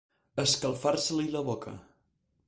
Escalfar-se-li la boca.